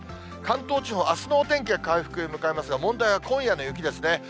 関東地方、あすのお天気は回復へ向かいますが、問題は今夜の雪ですね。